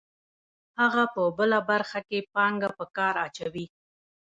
هغه په بله برخه کې پانګه په کار اچوي